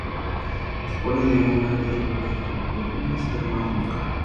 Dispone de un área arqueológica con ruinas de termas romanas.